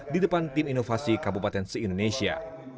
di depan tim inovasi kabupaten se indonesia